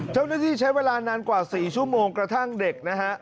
เจ้าหน้าที่ใช้เวลานานกว่า๔ชั่วโมงกระทั่งเด็กนะฮะ